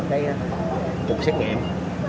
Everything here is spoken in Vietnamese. cuộc xét nghiệm